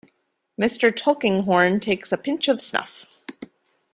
Mr. Tulkinghorn takes a pinch of snuff.